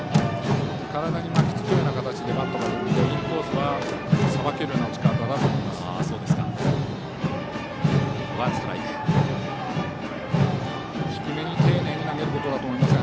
体に巻きつくような形でバットが出ているのでインコースはさばける打ち方だと思います。